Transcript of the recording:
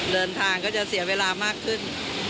เดินทางก็จะเสียเวลามากขึ้น